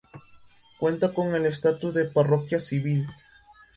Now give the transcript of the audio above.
Cuenta con el estatus de parroquia civil.